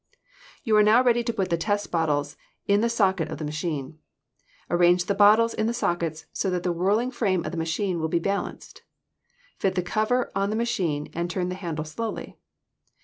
You are now ready to put the test bottles in the sockets of the machine. Arrange the bottles in the sockets so that the whirling frame of the machine will be balanced. Fit the cover on the machine and turn the handle slowly.